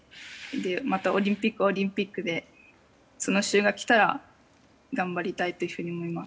またオリンピックはオリンピックでその試合がきたらまた頑張りたいと思います。